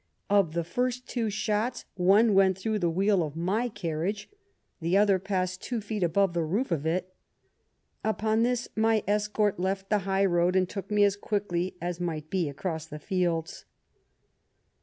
Of the first two shots one went through the w heel of my carriage, the other passed two feet above the roof of it. Upon this, my escort left the high road, and took me as quickly as might be across the fields."